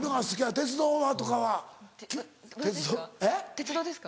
鉄道ですか？